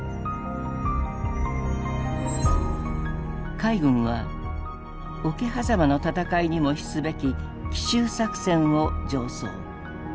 海軍は「桶狭間の戦いにも比すべき」「奇襲作戦」を上奏。